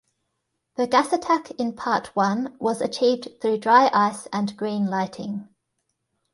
The gas attack in Part One was achieved through dry ice and green lighting.